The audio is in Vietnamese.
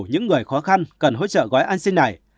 những người khó khăn cần hỗ trợ gói an sinh này